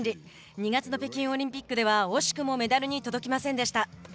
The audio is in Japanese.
２月の北京オリンピックでは惜しくもメダルに届きませんでした。